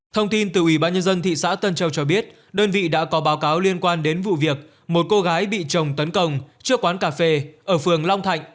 thông tin từ ủy ban nhân dân thị xã tân châu cho biết đơn vị đã có báo cáo liên quan đến vụ việc một cô gái bị chồng tấn công trước quán cà phê ở phường long thạnh